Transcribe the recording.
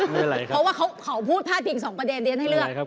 เพราะว่าเขาพูดพาดพิงสองประเด็นเรียนให้เลือก